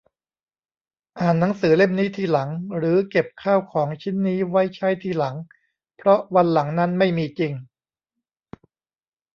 อ่านหนังสือเล่มนี้ทีหลัง หรือเก็บข้าวของชิ้นนี้ไว้ใช้ทีหลัง เพราะวันหลังนั้นไม่มีจริง